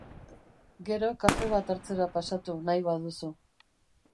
Gero kafe bat hartzera pasatu nahi baduzu.